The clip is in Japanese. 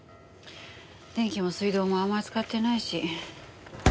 電気も水道もあんまり使ってないし。